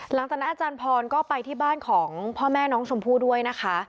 หลังจากนั้นอาจารย์พรก็ไปที่บ้านของพ่อแม่น้องชมพู่ด้วยนะคะ